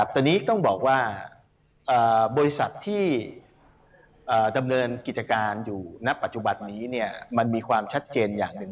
ตอนนี้ต้องบอกว่าบริษัทที่ดำเนินกิจการอยู่ณปัจจุบันนี้มันมีความชัดเจนอย่างหนึ่ง